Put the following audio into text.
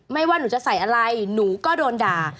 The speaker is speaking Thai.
ว่าหนูจะใส่อะไรหนูก็โดนด่า